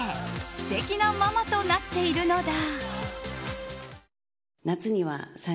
素敵なママとなっているのだ。